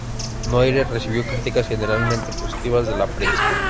Noire" recibió críticas generalmente positivas de la prensa.